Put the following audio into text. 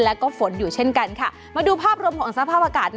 แล้วก็ฝนอยู่เช่นกันค่ะมาดูภาพรวมของสภาพอากาศ